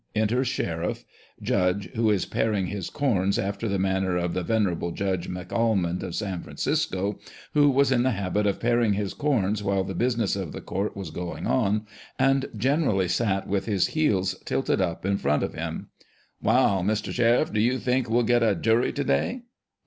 Enter Sheriff. Judge (who is paring his corns after the manner of the venerable Judge McAlmond, of San Francisco, who was in the habit of paring his corns while the business of the court was going on, and generally sat with his heels tilted up in front of him) :" Wai, Mr. Sheriff, do you think we'll get a jury to day